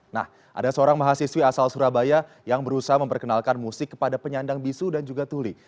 nah ada seorang mahasiswi asal surabaya yang berusaha memperkenalkan musik kepada penyandang bisu dan juga tuli